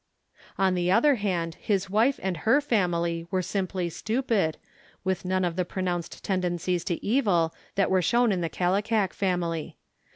On the other hand, his wife and her family were simply stupid, with none of the pronounced tendencies to evil that were shown in the Kallikak family.